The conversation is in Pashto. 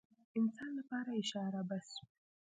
انسان لپاره اشاره بس وي.